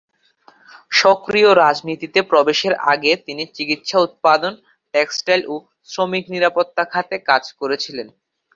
সক্রিয় রাজনীতিতে প্রবেশের আগে তিনি চিকিৎসা উৎপাদন, টেক্সটাইল ও শ্রমিক নিরাপত্তা খাতে কাজ করেছিলেন।